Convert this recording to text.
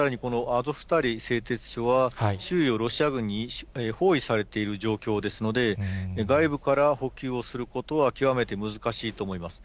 アゾフタリ製鉄所は、周囲をロシア軍に包囲されている状況ですので、外部から補給をすることは極めて難しいと思います。